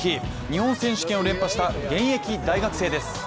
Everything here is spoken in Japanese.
日本選手権を連覇した現役大学生です。